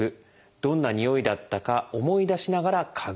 どんなにおいだったか思い出しながら嗅ぐ。